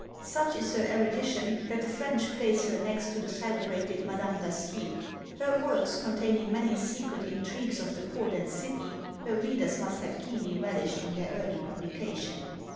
Such is her erudition, that the French place her next to the celebrated Madame Dacier. Her works, containing many secret intrigues of the court and city, her readers must have keenly relished on their early publication."